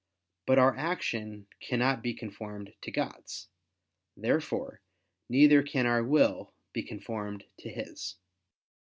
But our action cannot be conformed to God's. Therefore neither can our will be conformed to His.